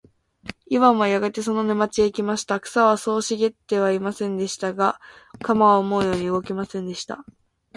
イワンはやがてその沼地へ来ました。草はそう茂ってはいませんでした。が、鎌は思うように動きませんでした。